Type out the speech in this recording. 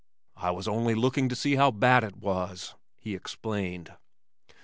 "I was only looking into it to see how bad it was," he explained.